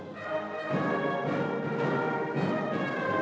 kamu merasa bohong